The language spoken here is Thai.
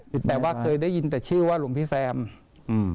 แต่ว่าเคยได้ยินแต่ชื่อว่าหลวงพี่แซมอืม